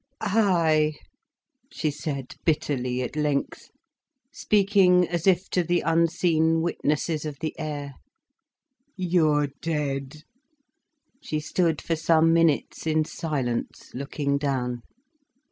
"Ay," she said bitterly, at length, speaking as if to the unseen witnesses of the air. "You're dead." She stood for some minutes in silence, looking down.